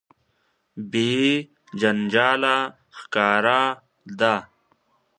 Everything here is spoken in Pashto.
بې جنجاله ښکاره ده.